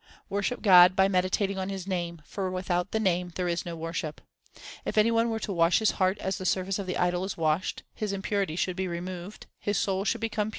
Worship God by meditating on His name, for without the Name there is no worship. If any one were to wash his heart as the surface of the idol is washed, His impurity should be removed, his soul should become pure, and he should depart to deliverance.